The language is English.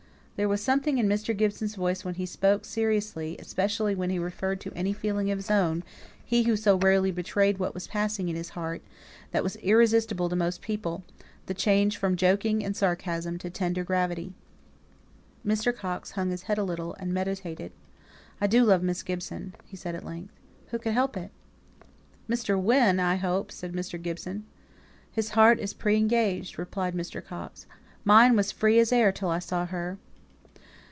There was something in Mr. Gibson's voice when he spoke seriously, especially when he referred to any feeling of his own he who so rarely betrayed what was passing in his heart that was irresistible to most people: the change from joking and sarcasm to tender gravity. Mr. Coxe hung his head a little, and meditated. "I do love Miss Gibson," said he, at length. "Who could help it?" "Mr. Wynne, I hope!" said Mr. Gibson. "His heart is pre engaged," replied Mr. Coxe. "Mine was free as air till I saw her."